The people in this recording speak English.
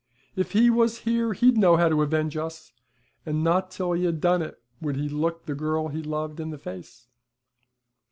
If he was here he'd know how to avenge us, and not till he had done it would he look the girl he loved in the face.'